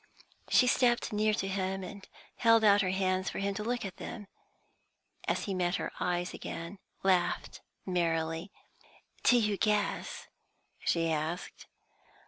She stepped near to him, and held out her hands for him to look at; then, as he met her eyes again, laughed merrily. "Do you guess?" she asked.